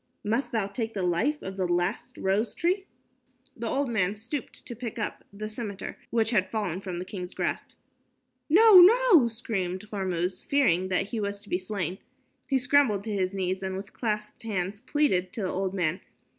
"Must thou take the life of the last rose tree?" The old man stooped to pick up the scimitar which had fallen from the king's grasp. "No, no," screamed Hormuz, fearing that he was to be slain. He scrambled to his knees and with clasped hands pleaded to the old man.